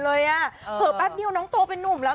เผลอแป๊บเดียวน้องโตเป็นนุ่มแล้ว